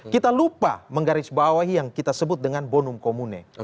kita lupa menggarisbawahi yang kita sebut dengan bonum komunik